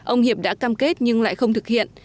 ông hiệp đã cam kết nhưng lại không thực hiện